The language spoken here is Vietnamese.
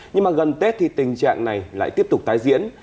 nhưng mà gần tết thì tình trạng này lại tiếp tục tái diễn